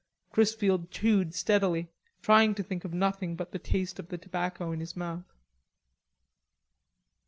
Chrisfield chewed steadily, trying to think of nothing but the taste of the tobacco in his mouth.